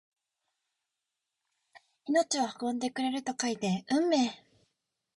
命を運んでくると書いて運命！